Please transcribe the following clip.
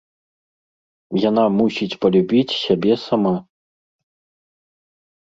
Яна мусіць палюбіць сябе сама.